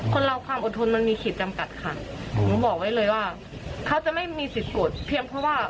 คนเราความอดทนมันมีขีดจำกัดค่ะหนูบอกไว้เลยว่าเขาจะไม่มีสิทธิ์โกรธเพียงเพราะว่า